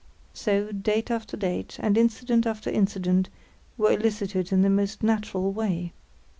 So, date after date, and incident after incident, were elicited in the most natural way.